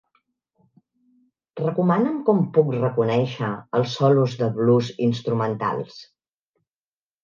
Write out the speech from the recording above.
Recomana'm com puc reconéixer els solos de 'blues' instrumentals.